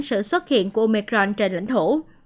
sự xuất hiện của omicron trên lãnh thổ